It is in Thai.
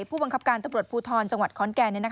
ผู้บังคับการตำรวจภูทรจังหวัดขอนแก่น